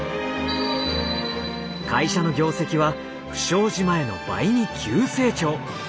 会社の業績は不祥事前の倍に急成長。